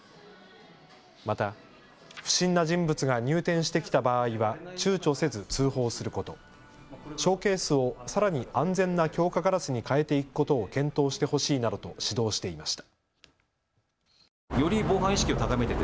また不審な人物が入店してきた場合はちゅうちょせず通報すること、ショーケースをさらに安全な強化ガラスに変えていくことを検討してほしいなどと指導していました。